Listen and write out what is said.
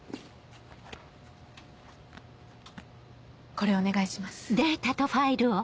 これお願いします。